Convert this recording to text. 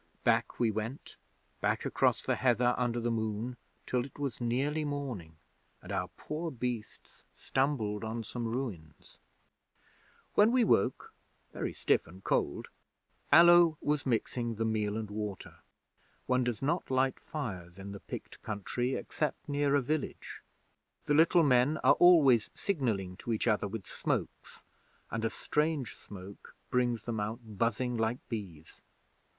Back we went back across the heather under the moon, till it was nearly morning, and our poor beasts stumbled on some ruins. 'When we woke, very stiff and cold, Allo was mixing the meal and water. One does not light fires in the Pict country except near a village. The little men are always signalling to each other with smokes, and a strange smoke brings them out buzzing like bees.